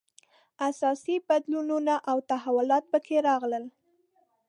اساسي بدلونونه او تحولات په کې راغلل.